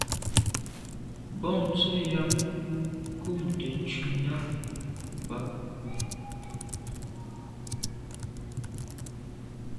Bontse yàm kùmte ntshundà bag.